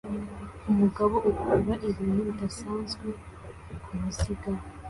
Umugabo ukurura ibintu bidasanzwe kumuziga